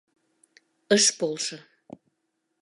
Ыш полшо.